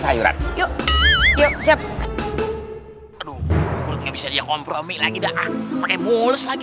hai aduh bisa kompromi lagi dah pakai mules lagi